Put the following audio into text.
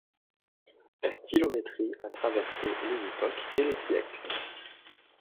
La stylométrie a traversé les époques et les siècles.